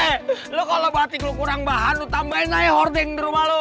eh lu kalo batik lu kurang bahan lu tambahin aja hording di rumah lu